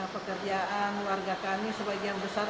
pekerjaan warga kami sebagian besar